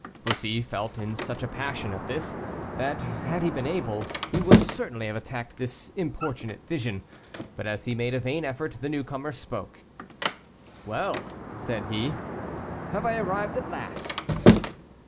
Bussy felt in such a passion at this, that, had he been able, he would certainly have attacked this importunate vision; but as he made a vain effort, the newcomer spoke: "Well," said he, "have I arrived at last?"